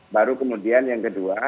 baru kemudian yang kedua